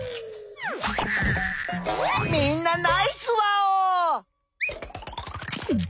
みんなナイスワオー！